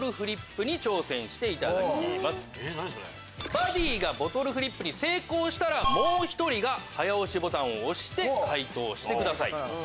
バディがボトルフリップに成功したらもう１人が早押しボタンを押して解答してください。